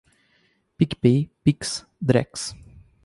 PicPay, Pix, Drex